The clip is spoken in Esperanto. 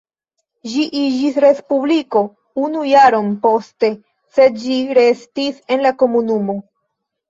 Ĝi iĝis respubliko unu jaron poste sed ĝi restis en la Komunumo.